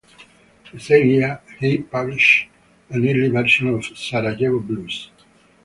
The same year, he published an early version of Sarajevo Blues.